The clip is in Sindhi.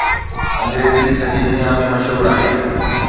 انگريزي سڄي دنيا ۾ مشهور آهي